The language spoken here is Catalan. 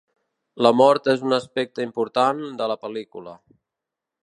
La mort és un aspecte important de la pel·lícula.